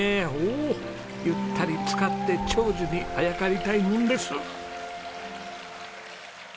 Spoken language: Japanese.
おおゆったりつかって長寿にあやかりたいもんです。